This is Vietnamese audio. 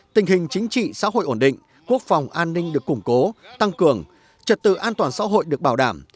tình hình chính trị xã hội ổn định quốc phòng an ninh được củng cố tăng cường trật tự an toàn xã hội được bảo đảm